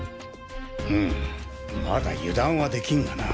うむまだ油断はできんがな。